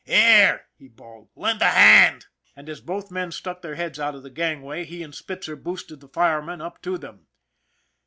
" Here !" he bawled. " Lend a hand !" And as both men stuck their heads out of the gangway, he and Spitzer boosted the fireman up to them.